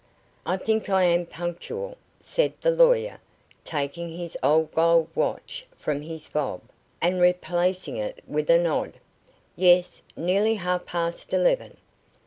"I think I am punctual," said the lawyer, taking his old gold watch from his fob, and replacing it with a nod. "Yes, nearly half past eleven.